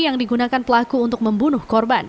yang digunakan pelaku untuk membunuh korban